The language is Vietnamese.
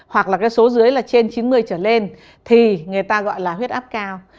hoặc là cái số dưới là trên chín mươi trở lên thì người ta gọi là huyết áp cao